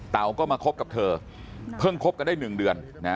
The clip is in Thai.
เต๋าก็มาคบกับเธอเพิ่งคบกันได้๑เดือน